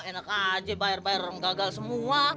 enak aja bayar bayar gagal semua